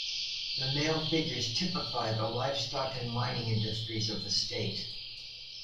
The male figures typify the livestock and mining industries of the state.